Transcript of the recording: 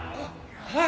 はい！